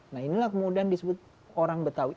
nah inilah kemudian disebut orang betawi